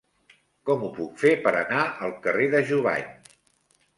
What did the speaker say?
Com ho puc fer per anar al carrer de Jubany?